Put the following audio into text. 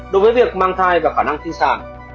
đối với việc mang thai và khả năng thi sản